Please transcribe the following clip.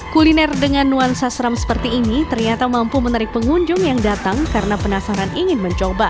kuliner dengan nuansa seram seperti ini ternyata mampu menarik pengunjung yang datang karena penasaran ingin mencoba